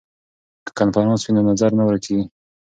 که کنفرانس وي نو نظر نه ورک کیږي.